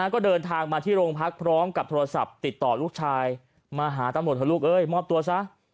ก็เดินทางมาที่โรงพักพร้อมกับโทรศัพท์ติดต่อลูกชายมาหาตำรวจเถอะลูกเอ้ยมอบตัวซะ